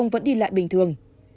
vẫn đi lại bình thường